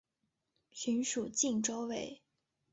寻属靖州卫。